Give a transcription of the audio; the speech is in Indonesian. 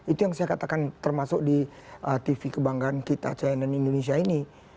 itu yang saya katakan termasuk di tv kebanggaan kita chinaan indonesia ini